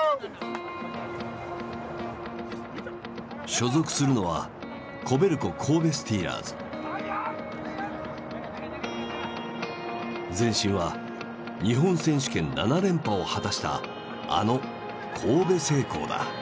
所属するのは前身は日本選手権７連覇を果たしたあの神戸製鋼だ。